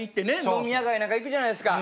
飲み屋街なんか行くじゃないですか。